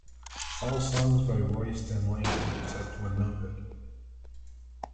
All songs by Royston Langdon except when noted.